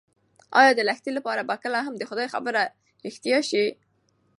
ایا د لښتې لپاره به کله هم د خدای خبره رښتیا شي؟